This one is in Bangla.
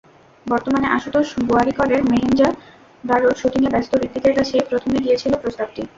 বর্তমানে আশুতোষ গোয়াড়িকরের মহেঞ্জো দারোর শুটিংয়ে ব্যস্ত হৃতিকের কাছেই প্রথমে গিয়েছিল প্রস্তাবটি।